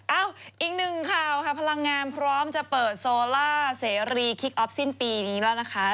อีกหนึ่งข่าวค่ะพลังงานพร้อมจะเปิดโซล่าเสรีคิกออฟสิ้นปีนี้แล้วนะคะ